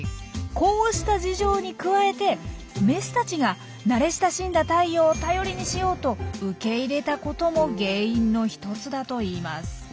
こうした事情に加えてメスたちが慣れ親しんだタイヨウを頼りにしようと受け入れたことも原因の一つだといいます。